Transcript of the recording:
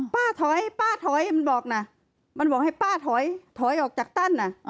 ป้าถอยป้าถอยมันบอกนะมันบอกให้ป้าถอยถอยออกจากตั้นอ่ะ